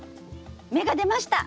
芽が出ました！